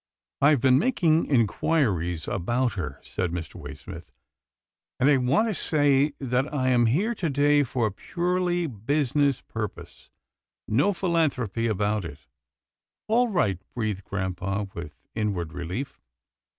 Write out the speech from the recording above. AN UNEXPECTED REQUEST 99 " I have been making inquiries about her," said Mr. Way smith, and I want to say that I am here to day for a purely business purpose — no philan thropy about it." " All right," breathed grampa with inward relief.